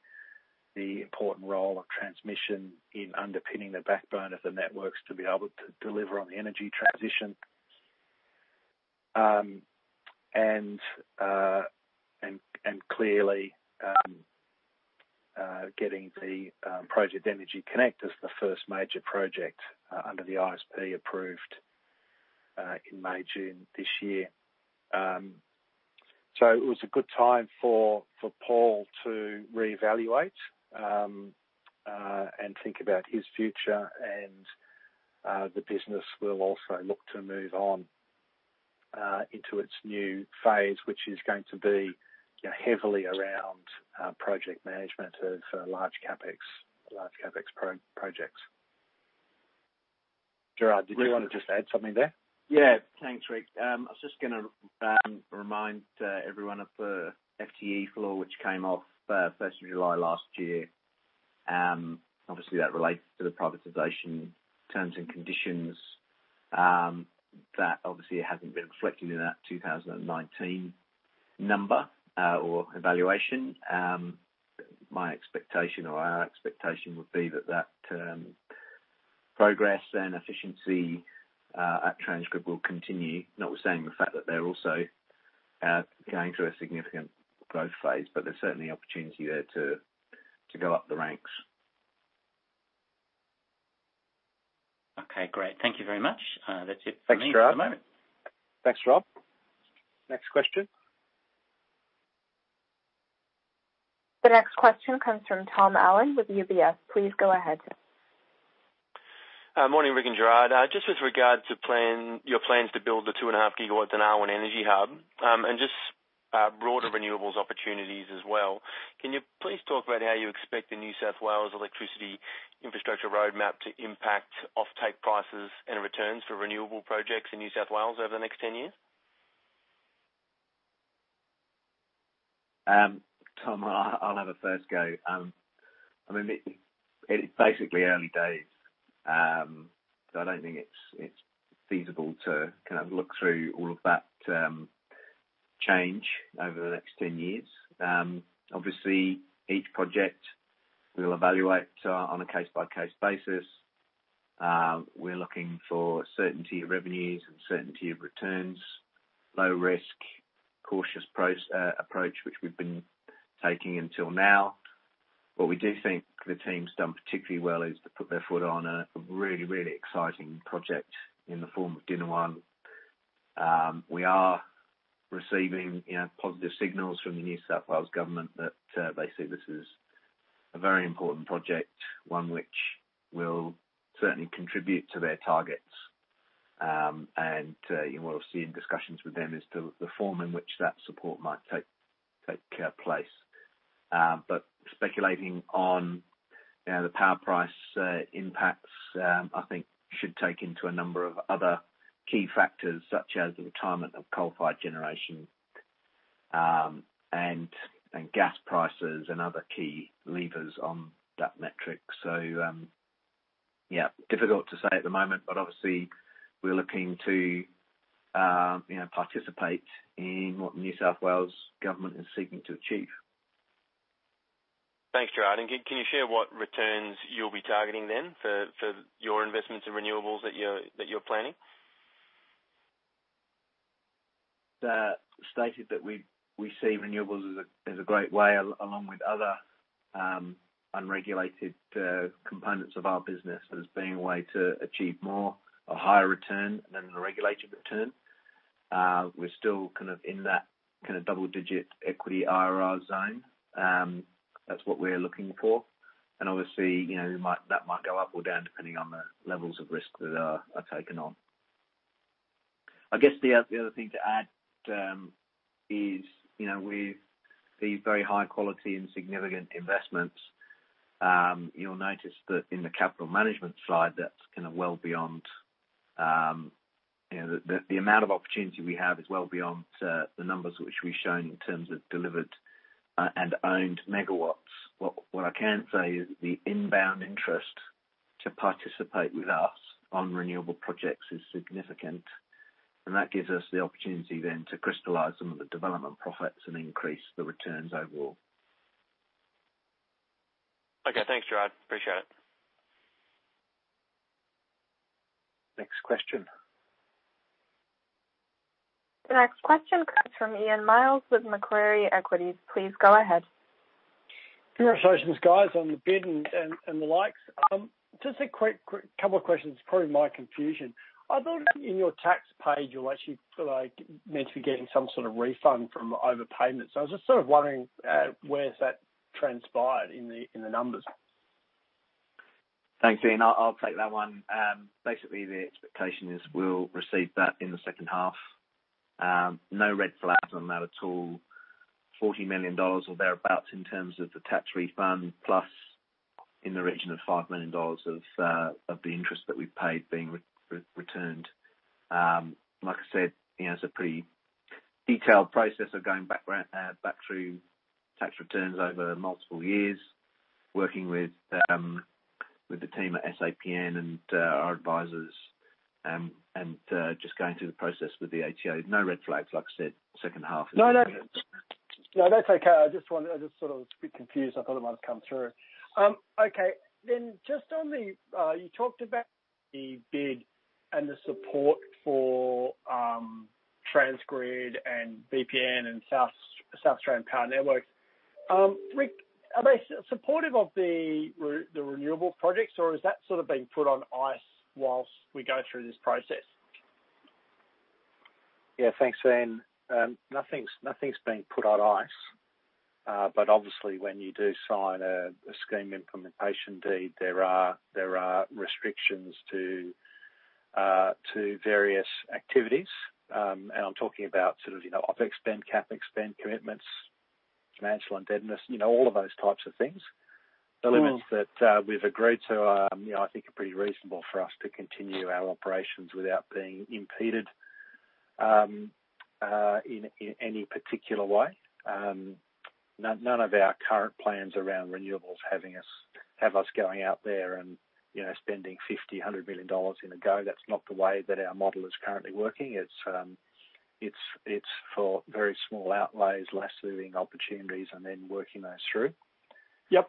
the important role of transmission in underpinning the backbone of the networks to be able to deliver on the energy transition, and clearly, getting the project EnergyConnect as the first major project under the ISP approved in May, June this year. It was a good time for Paul to reevaluate and think about his future. The business will also look to move on into its new phase, which is going to be heavily around project management of large CapEx projects. Gerard, did you want to just add something there? Yeah. Thanks, Rick. I was just going to remind everyone of the FTE floor, which came off first of July last year. That relates to the privatization terms and conditions that obviously hasn't been reflected in that 2019 number or evaluation. My expectation or our expectation would be that progress and efficiency at TransGrid will continue, notwithstanding the fact that they're also going through a significant growth phase, but there's certainly opportunity there to go up the ranks. Okay, great. Thank you very much. That's it for me for the moment. Thanks, Rob. Next question. The next question comes from Tom Allen with UBS. Please go ahead, Tom. Morning, Rick and Gerard. Just with regard to your plans to build the 2.5 GW in our energy hub, and just broader renewables opportunities as well, can you please talk about how you expect the NSW Electricity Infrastructure Roadmap to impact offtake prices and returns for renewable projects in New South Wales over the next 10 years? Tom, I'll have a first go. It's basically early days. I don't think it's feasible to look through all of that change over the next 10 years. Obviously, each project we'll evaluate on a case-by-case basis. We're looking for certainty of revenues and certainty of returns, low risk, cautious approach, which we've been taking until now. What we do think the team's done particularly well is to put their foot on a really exciting project in the form of Dinawan. We are receiving positive signals from the New South Wales government that they see this as a very important project, one which will certainly contribute to their targets. We'll see in discussions with them as to the form in which that support might take place. Speculating on the power price impacts, I think should take into a number of other key factors, such as the retirement of coal-fired generation, and gas prices and other key levers on that metric. Yeah, difficult to say at the moment, but obviously we're looking to participate in what New South Wales Government is seeking to achieve. Thanks, Gerard. Can you share what returns you'll be targeting then for your investments in renewables that you're planning? Stated that we see renewables as a great way, along with other unregulated components of our business, as being a way to achieve more, a higher return than the regulated return. We're still in that double-digit equity IRR zone. That's what we're looking for. Obviously, that might go up or down depending on the levels of risk that are taken on. I guess the other thing to add is, with the very high quality and significant investments, you'll notice that in the capital management slide, the amount of opportunity we have is well beyond the numbers which we've shown in terms of delivered and owned megawatts. What I can say is the inbound interest to participate with us on renewable projects is significant, and that gives us the opportunity then to crystallize some of the development profits and increase the returns overall. Okay. Thanks, Gerard. Appreciate it. Next question. The next question comes from Ian Myles with Macquarie Equities. Please go ahead. Congratulations, guys, on the bid and the likes. A quick couple of questions, probably my confusion. I thought in your tax page, you actually meant to be getting some sort of refund from overpayment. I was just sort of wondering where that transpired in the numbers. Thanks, Ian. I'll take that one. Basically, the expectation is we'll receive that in the second half. No red flags on that at all. 40 million dollars or thereabout in terms of the tax refund, plus in the region of 5 million dollars of the interest that we've paid being returned. Like I said, it's a pretty detailed process of going back through tax returns over multiple years, working with the team at SAPN and our advisors, and just going through the process with the ATO. No red flags. Like I said, second half. No, that's okay. I just was a bit confused. I thought it might have come through. Okay. You talked about the bid and the support for TransGrid and VPN and SA Power Networks. Rick, are they supportive of the renewable projects or has that sort of been put on ice whilst we go through this process? Thanks, Ian. Nothing's been put on ice. Obviously, when you do sign a scheme implementation deed, there are restrictions to various activities. I am talking about OpEx spend, CapEx spend, commitments, financial indebtedness, all of those types of things. The limits that we've agreed to, I think are pretty reasonable for us to continue our operations without being impeded in any particular way. None of our current plans around renewables have us going out there and spending 50 million dollars, AUD 100 million in a go. That is not the way that our model is currently working. It is for very small outlays, less serving opportunities, and then working those through. Yep.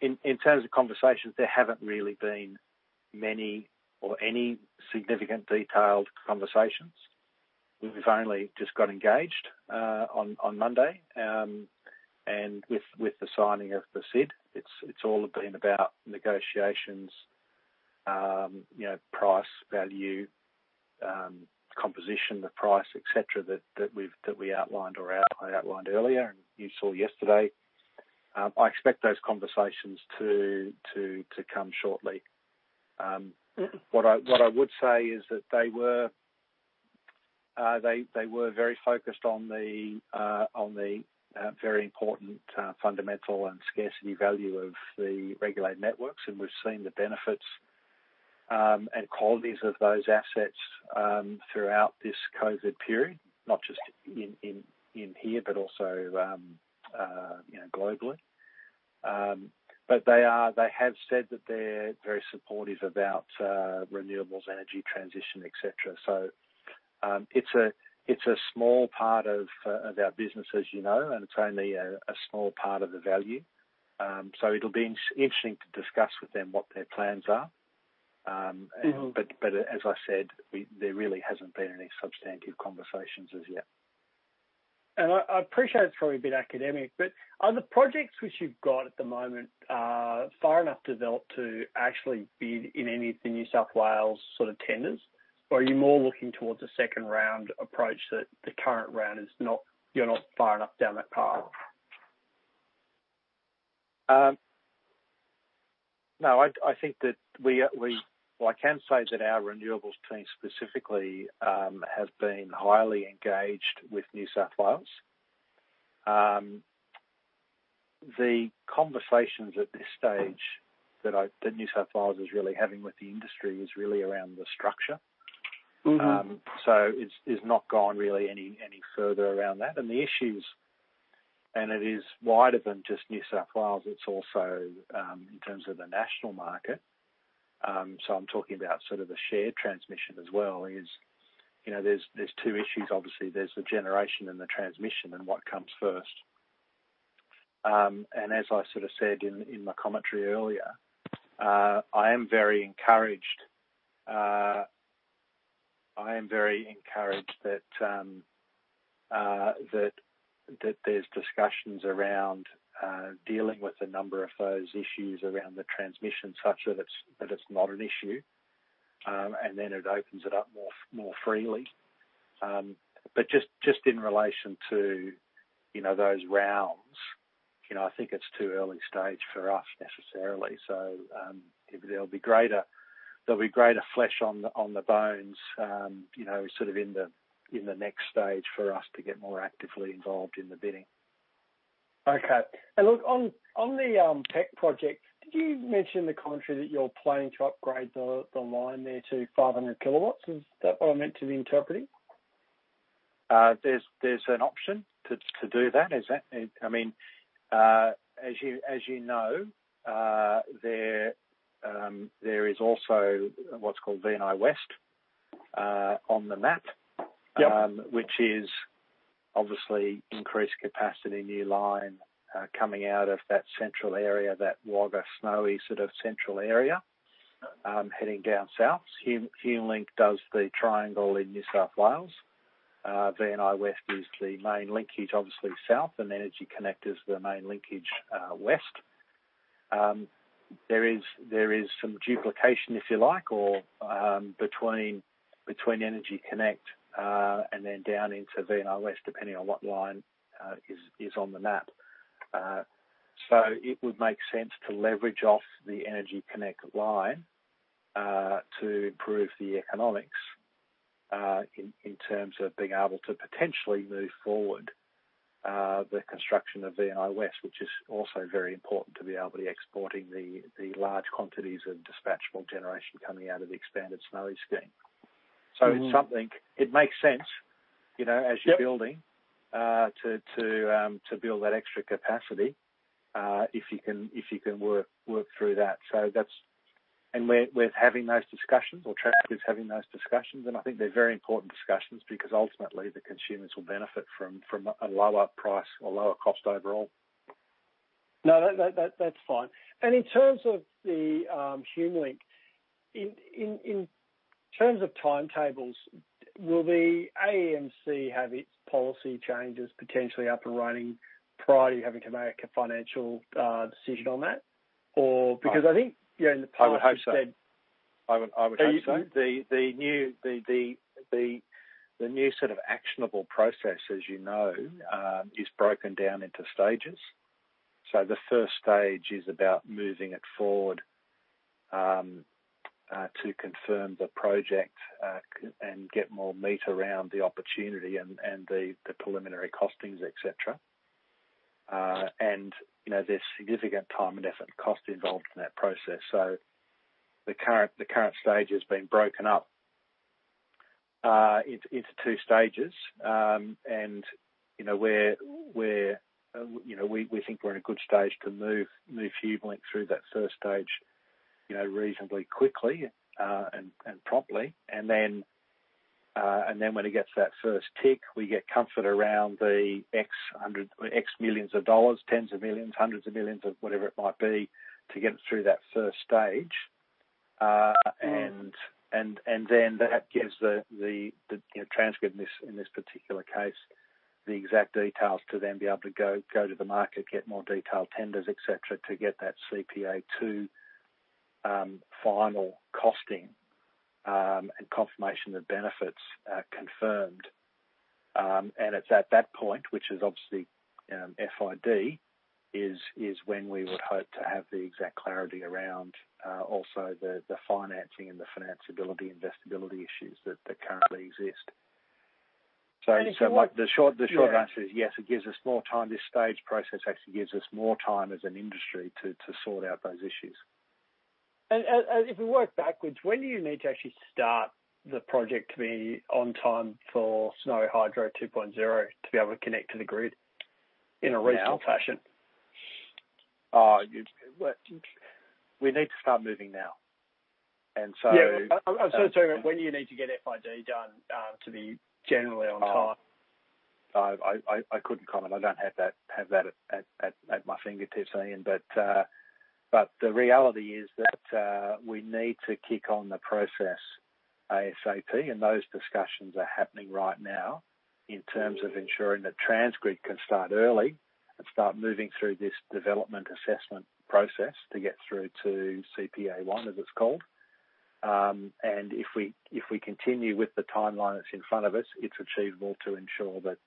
In terms of conversations, there haven't really been many or any significant detailed conversations. We've only just got engaged on Monday. With the signing of the SID, it's all been about negotiations, price, value, composition, the price, et cetera, that we outlined or I outlined earlier, and you saw yesterday. I expect those conversations to come shortly. What I would say is that they were very focused on the very important fundamental and scarcity value of the regulated networks, and we've seen the benefits and qualities of those assets throughout this COVID period, not just in here, but also globally. They have said that they're very supportive about renewables, energy transition, et cetera. It's a small part of our business, as you know, and it's only a small part of the value. It'll be interesting to discuss with them what their plans are. As I said, there really hasn't been any substantive conversations as yet. I appreciate it's probably a bit academic, but are the projects which you've got at the moment far enough developed to actually be in any of the New South Wales sort of tenders, or are you more looking towards a second-round approach that the current round, you're not far enough down that path? No. What I can say is that our renewables team specifically, has been highly engaged with New South Wales. The conversations at this stage that New South Wales is really having with the industry is really around the structure. It's not gone really any further around that. The issues, and it is wider than just New South Wales, it's also in terms of the national market. I'm talking about sort of the shared transmission as well is, there's two issues, obviously. There's the generation and the transmission and what comes first. As I said in my commentary earlier, I am very encouraged that there's discussions around dealing with a number of those issues around the transmission such that it's not an issue, and then it opens it up more freely. Just in relation to those rounds, I think it's too early stage for us necessarily. There'll be greater flesh on the bones, sort of in the next stage for us to get more actively involved in the bidding. Okay. Look, on the tech project, did you mention the EnergyConnect that you're planning to upgrade the line there to 500 kW? Is that what I'm meant to be interpreting? There's an option to do that. As you know, there is also what's called VNI West on the map. Yep which is obviously increased capacity, new line, coming out of that central area, that Wagga Snowy sort of central area, heading down south. HumeLink does the triangle in New South Wales. VNI West is the main linkage, obviously, south. EnergyConnect is the main linkage west. There is some duplication, if you like, between EnergyConnect and then down into VNI West, depending on what line is on the map. It would make sense to leverage off the EnergyConnect line to improve the economics, in terms of being able to potentially move forward the construction of VNI West, which is also very important to be able to be exporting the large quantities of dispatchable generation coming out of the expanded Snowy scheme. It makes sense, as you're Yep to build that extra capacity, if you can work through that. We're having those discussions, or TransGrid is having those discussions, and I think they're very important discussions because ultimately the consumers will benefit from a lower price or lower cost overall. No, that's fine. In terms of the HumeLink, in terms of timetables, will the AEMC have its policy changes potentially up and running prior to you having to make a financial decision on that? I would hope so. Are you- The new sort of actionable process, as you know, is broken down into stages. The first stage is about moving it forward to confirm the project and get more meat around the opportunity and the preliminary costings, et cetera. There's significant time and effort and cost involved in that process. The current stage has been broken up into two stages. We think we're in a good stage to move HumeLink through that first stage reasonably quickly and promptly. When it gets that first tick, we get comfort around the X millions of dollars, tens of millions, hundreds of millions, of whatever it might be, to get it through that first stage. That gives TransGrid, in this particular case, the exact details to then be able to go to the market, get more detailed tenders, et cetera, to get that CPA2 final costing, and confirmation of benefits confirmed. It's at that point, which is obviously FID, is when we would hope to have the exact clarity around also the financing and the financability, investability issues that currently exist. And if- The short answer is yes, it gives us more time. This stage process actually gives us more time as an industry to sort out those issues. If we work backwards, when do you need to actually start the project to be on time for Snowy Hydro 2.0 to be able to connect to the grid in a reasonable fashion? We need to start moving now. Yeah. I'm sorry, when do you need to get FID done to be generally on time? I couldn't comment. I don't have that at my fingertips, Ian. The reality is that we need to kick on the process ASAP, and those discussions are happening right now in terms of ensuring that TransGrid can start early and start moving through this development assessment process to get through to CPA1, as it's called. If we continue with the timeline that's in front of us, it's achievable to ensure that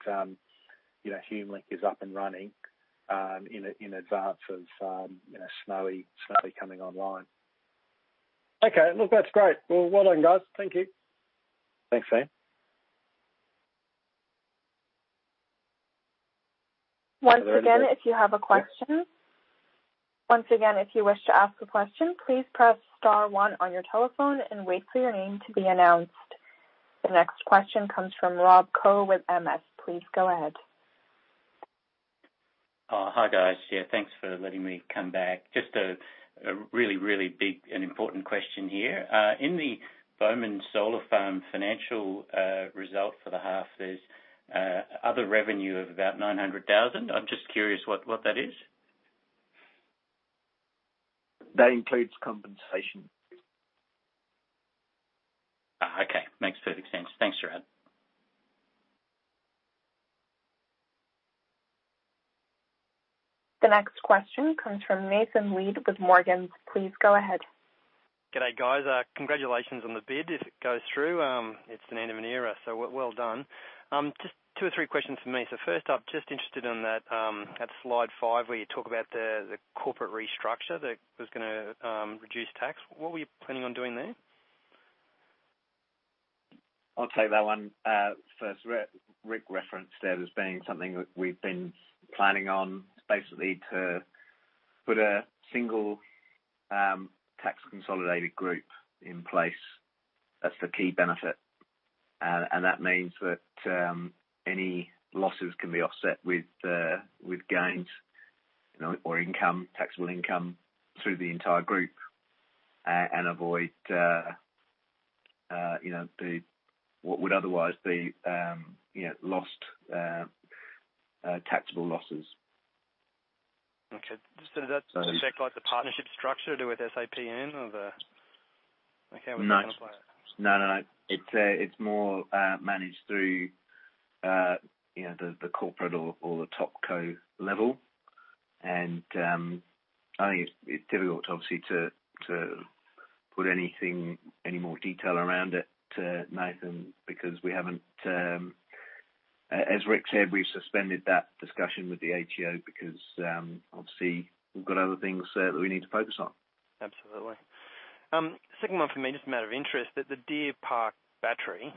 HumeLink is up and running in advance of Snowy coming online. Okay. Look, that's great. Well, well done, guys. Thank you. Thanks, Ian. Once again, if you wish to ask a question, please press star one on your telephone and wait for your name to be announced. The next question comes from Rob Koh with MS. Please go ahead. Hi, guys. Yeah, thanks for letting me come back. Just a really, really big and important question here. In the Bomen Solar Farm financial result for the half, there's other revenue of about 900,000. I'm just curious what that is. That includes compensation. Okay. Makes perfect sense. Thanks, Gerard. The next question comes from Nathan Lead with Morgans. Please go ahead. G'day, guys. Congratulations on the bid. If it goes through, it's the end of an era, so well done. Just two or three questions from me. First off, just interested in that slide five where you talk about the corporate restructure that was going to reduce tax. What were you planning on doing there? I'll take that one first. Rick referenced it as being something that we've been planning on, basically to put a single tax-consolidated group in place. That's the key benefit. That means that any losses can be offset with gains or taxable income through the entire group, and avoid what would otherwise be lost taxable losses. Okay. Does that affect the partnership structure to do with SAPN or the Okay. No. It's more managed through the corporate or the top co-level. I think it's difficult, obviously, to put any more detail around it, Nathan, because, as Rick said, we've suspended that discussion with the ATO because obviously we've got other things that we need to focus on. Absolutely. Second one for me, just a matter of interest. At the Deer Park battery,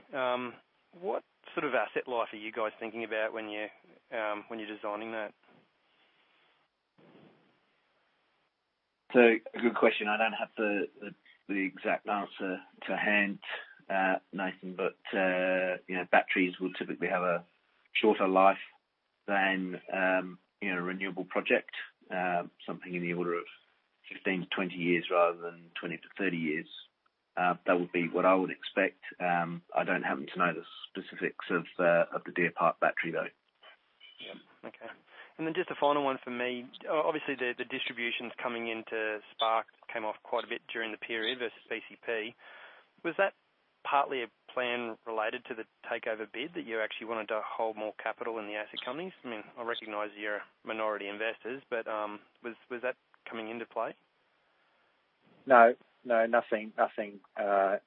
what sort of asset life are you guys thinking about when you're designing that? It's a good question. I don't have the exact answer to hand, Nathan, but batteries will typically have a shorter life than a renewable project. Something in the order of 15-20 years rather than 20-30 years. That would be what I would expect. I don't happen to know the specifics of the Deer Park battery, though. Yep. Okay. Just a final one for me. Obviously, the distributions coming into Spark came off quite a bit during the period versus PCP. Was that partly a plan related to the takeover bid that you actually wanted to hold more capital in the asset companies? I recognize you're minority investors, but was that coming into play? No. Nothing at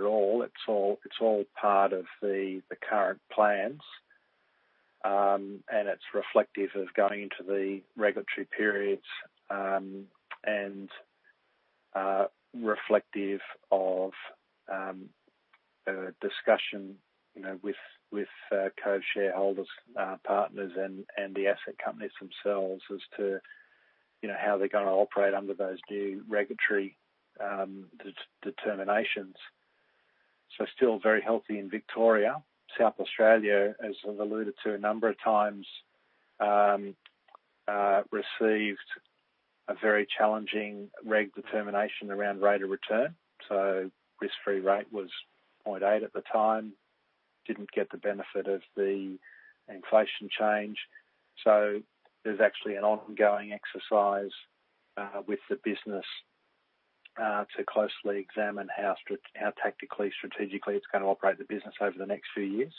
all. It's all part of the current plans, and it's reflective of going into the regulatory periods, and reflective of a discussion, with co-shareholders, partners, and the asset companies themselves as to how they're going to operate under those new regulatory determinations. Still very healthy in Victoria. South Australia, as I've alluded to a number of times, received a very challenging reg determination around rate of return. Risk-free rate was 0.8 at the time. Didn't get the benefit of the inflation change. There's actually an ongoing exercise with the business to closely examine how tactically, strategically it's going to operate the business over the next few years.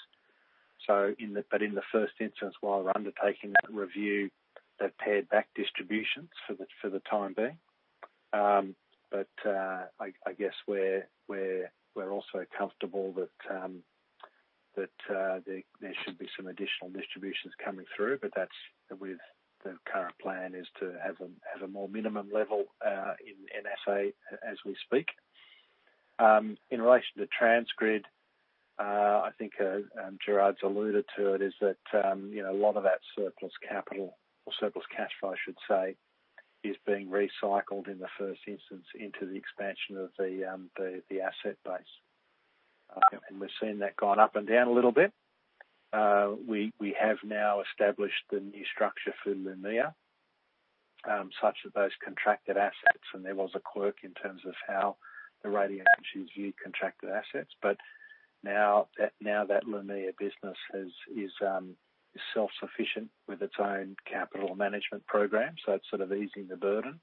In the first instance, while undertaking that review, they've pared back distributions for the time being. I guess we're also comfortable that there should be some additional distributions coming through, but that with the current plan is to have a more minimum level in SA as we speak. In relation to TransGrid, I think Gerard's alluded to it, is that a lot of that surplus capital or surplus cash flow, I should say, is being recycled in the first instance into the expansion of the asset base. Yep. We've seen that gone up and down a little bit. We have now established the new structure for Lumea, such that those contracted assets, and there was a quirk in terms of how the rating agencies view contracted assets. Now that Lumea business is self-sufficient with its own capital management program, so it's sort of easing the burden.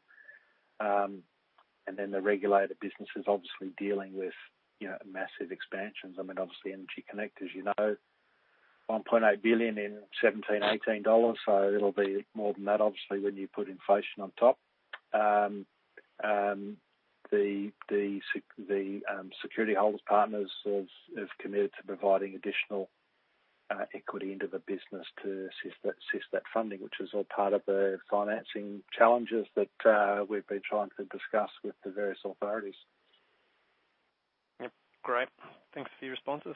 Then the regulated business is obviously dealing with massive expansions. Obviously, EnergyConnect, as you know, 1.8 billion in 2017-2018 dollars, so it'll be more than that, obviously, when you put inflation on top. The security holders partners have committed to providing additional equity into the business to assist that funding, which is all part of the financing challenges that we've been trying to discuss with the various authorities. Yep. Great. Thanks for your responses.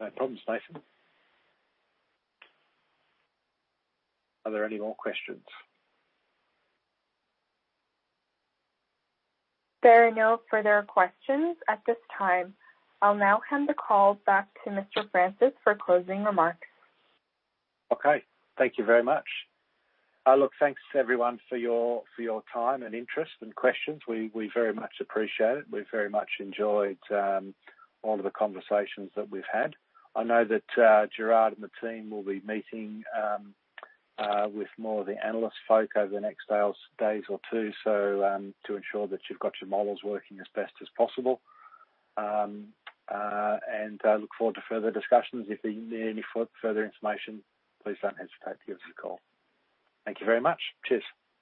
No problems, Nathan. Are there any more questions? There are no further questions at this time. I'll now hand the call back to Rick Francis for closing remarks. Okay. Thank you very much. Look, thanks everyone for your time and interest and questions. We very much appreciate it. We very much enjoyed all of the conversations that we've had. I know that Gerard and the team will be meeting with more of the analyst folk over the next days or two to ensure that you've got your models working as best as possible. I look forward to further discussions. If you need any further information, please don't hesitate to give us a call. Thank you very much. Cheers.